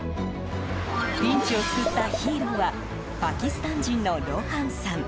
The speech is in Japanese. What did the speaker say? ピンチを救ったヒーローはパキスタン人のロハンさん。